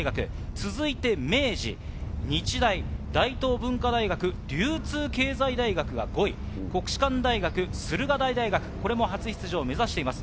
続いて明治、日大、大東文化大学、流通経済大学が５位、国士舘大学、駿河台大学、これも初出場を目指しています。